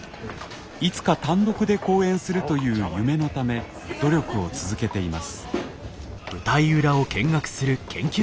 いつか単独で公演するという夢のため努力を続けています。